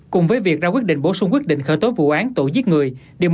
cùng với việc ra quyết định bổ sung quyết định khởi tố vụ án tội giết người